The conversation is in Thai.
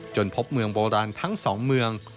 พบเมืองโบราณทั้งสองเมือง